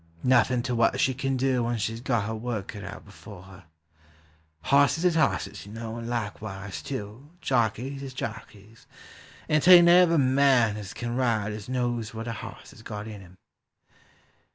Nothin' to what she kin do when she 's got her work cut out before her. Hosses is hosses, you know, and likewise, too, jockeys is jockeys; And 'tain't every man as can ride as knows what a hoss has got in him.